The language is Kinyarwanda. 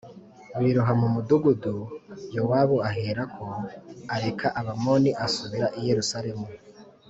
biroha mu mudugudu. Yowabu aherako areka Abamoni asubira i Yerusalemu.